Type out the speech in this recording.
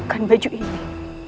di kota kerajaan batu ini